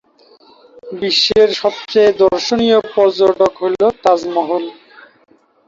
বিশ্বের সবচেয়ে দর্শনীয় পর্যটক হল তাজমহল।